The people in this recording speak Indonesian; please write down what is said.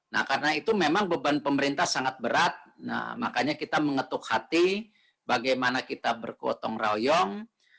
nah karena itu memang beban pemerintah sangat berat makanya kita mengetuk hati bagaimana kita bergotong royong